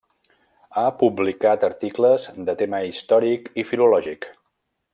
Ha publicat articles de tema històric i filològic.